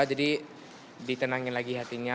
jadi ditenangin lagi hatinya